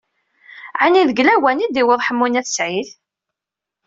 Ɛni deg lawan i d-yewweḍ Ḥemmu n At Sɛid?